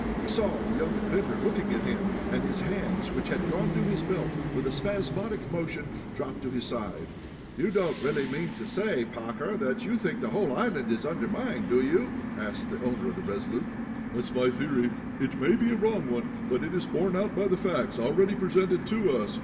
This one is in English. He saw the young inventor looking at him, and his hands, which had gone to his belt, with a spasmodic motion, dropped to his side. "You don't really mean to say, Parker, that you think the whole island is undermined, do you?" asked the owner of the RESOLUTE. "That's my theory. It may be a wrong one, but it is borne out by the facts already presented to us.